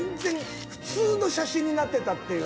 普通の写真になってたという。